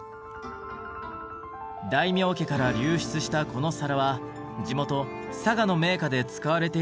大名家から流出したこの皿は地元佐賀の名家で使われていたといいます。